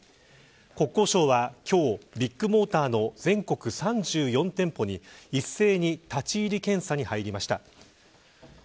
国交省は今日ビッグモーターの全国３４店舗に一斉に立ち入り検査に入りました。